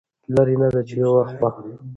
لرې نه ده چې يو وخت به